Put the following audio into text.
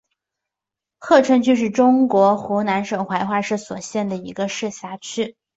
鹤城区是中国湖南省怀化市所辖的一个市辖区。